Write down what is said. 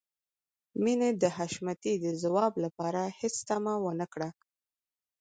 مينې د حشمتي د ځواب لپاره هېڅ تمه ونه کړه.